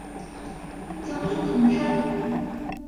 江苏铜山。